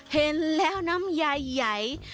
เห็นแล้วน้ำใย